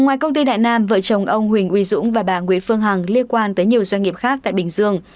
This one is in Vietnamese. ngoài công ty đại nam vợ chồng ông huỳnh uy dũng và bà nguyễn phương hằng liên quan tới nhiều doanh nghiệp khác tại bình dương